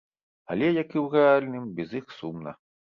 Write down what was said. Але, як і ў рэальным, без іх сумна.